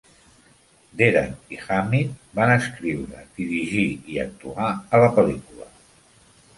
Deren i Hammid van escriure, dirigir i actuar en la pel·lícula.